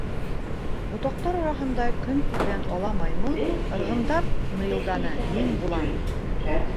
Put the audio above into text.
Ботаҡтар араһында көн күргән ала маймыл ырғандап ныйылданы: «Мин булам!»